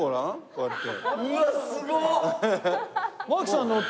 うわすごっ！